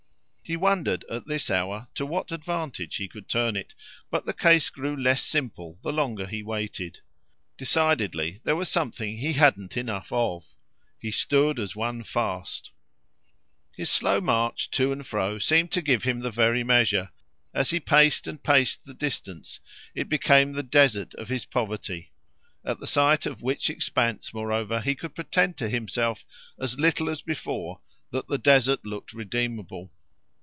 He wondered at this hour to what advantage he could turn it; but the case grew less simple the longer he waited. Decidedly there was something he hadn't enough of. His slow march to and fro seemed to give him the very measure; as he paced and paced the distance it became the desert of his poverty; at the sight of which expanse moreover he could pretend to himself as little as before that the desert looked redeemable.